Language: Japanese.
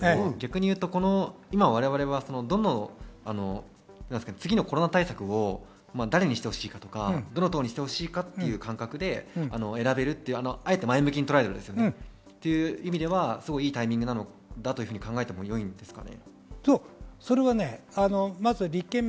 五郎さんに伺いたいんですが今、我々は次のコロナ対策を誰にしてほしいかとか、どの党にしてほしいかという感覚で選べるという、あえて前向きにとらえるとそういう意味ではいいタイミングだと考えてよいんですかね？